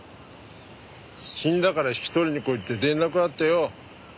死んだから引き取りに来いって連絡あってよ。